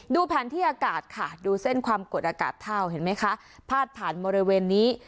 ดูเส้นความกดอากาศเท่าเห็นไหมคะภาดผ่านบริเวณนี้